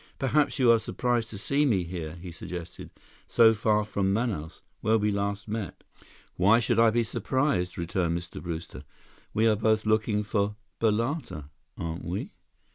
"Perhaps you are surprised to see me here," he suggested, "So far from Manaus, where we last met." "Why should I be surprised?" returned Mr. Brewster. "We are both looking for balata, aren't we?"